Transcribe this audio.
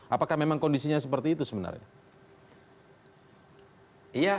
apakah memang kondisinya seperti itu sebenarnya